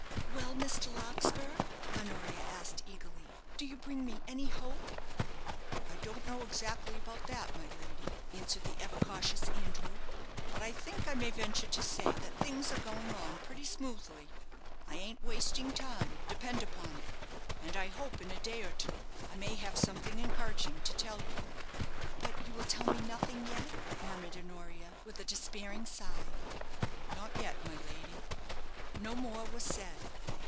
"Well, Mr. Larkspur," Honoria asked, eagerly, "do you bring many hope?" "I don't exactly know about that, my lady," answered the ever cautious Andrew; "but I think I may venture to say that things are going on pretty smoothly. I ain't wasting time, depend upon it; and I hope in a day or two I may have something encouraging to tell you." "But you will tell me nothing yet?" murmured Honoria, with a despairing sigh. "Not yet, my lady." No more was said.